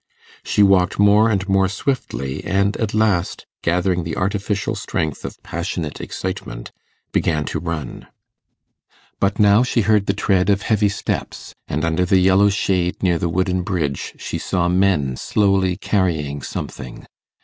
She walked more and more swiftly, and at last, gathering the artificial strength of passionate excitement, began to run. But now she heard the tread of heavy steps, and under the yellow shade near the wooden bridge she saw men slowly carrying something.